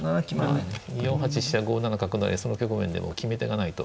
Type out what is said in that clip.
４八飛車５七角成その局面でも決め手がないと。